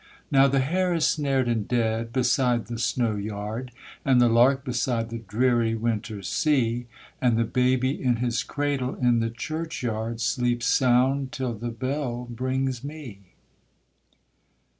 Now the hare is snared and dead beside the snow yard, And the lark beside the dreary winter sea; And the baby in his cradle in the churchyard Sleeps sound till the bell brings me.